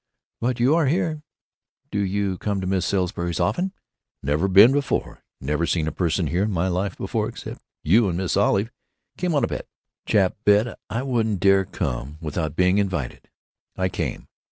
"But you are here? Do you come to Mrs. Salisbury's often?" "Never been before. Never seen a person here in my life before—except you and Miss Olive. Came on a bet. Chap bet I wouldn't dare come without being invited. I came.